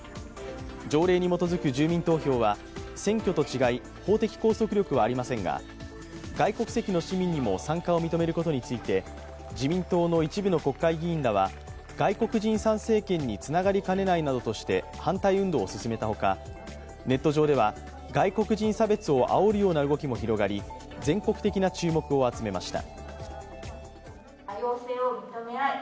条例に基づく住民投票は選挙と違い法的拘束力はありませんが、外国籍の市民にも参加を認めることについて、自民党の一部の国会議員らは外国人参政権につながりかねないなどとして反対運動を進めた他、ネット上では、外国人差別をあおるような動きも広がり、全国的な注目を集めました。